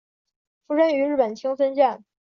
出身于日本青森县。